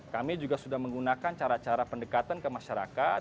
kami juga sudah menggunakan cara cara pendekatan ke masyarakat